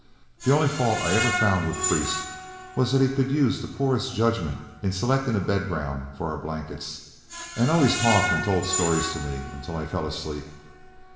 The only fault I ever found with Priest was that he could use the poorest judgment in selecting a bed ground for our blankets, and always talked and told stories to me until I fell asleep.